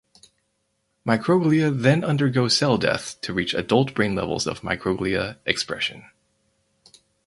Microglia then undergo cell death to reach adult brain levels of microglia expression.